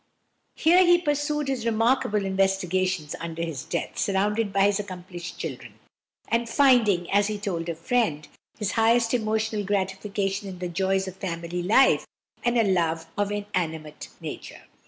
Here he pursued his remarkable investigations until his death, surrounded by his accomplished children, and finding, as he told a friend, his highest emotional gratification in the joys of family life and a love of animate nature.